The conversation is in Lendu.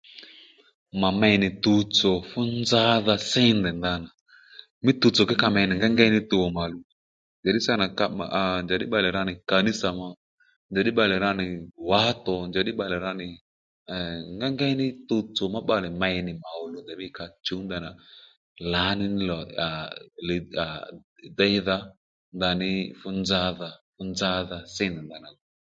Mà mey nì tuwtsò fú nzadha sí ndèy ndanà mí tuwtsò ke ka mey nì ngéyngéy ní tuw mà ò luw njàddí sâ nà njàddí bbalè ra nì kanisà mà ò njàddí bbalè ra nì wǎtò njàddí bbalè ra nì ee ngéyngéy ní tuwtsò ma bbalè mey nì mà ò luw ndèymí ka chuw ndanà lǎní lò aa aa li aa déydha ndaní fú nzadha fú nzadha sí ndèy ndanà gu